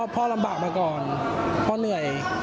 พ่อลำบากมาก่อนพ่อเหนื่อย